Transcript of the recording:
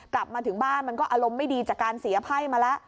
กลับมาถึงบ้านมันก็อารมณ์ไม่ดีจากการเสียไพ่มาแล้ว